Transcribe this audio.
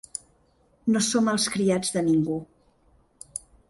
No som els criats de ningú.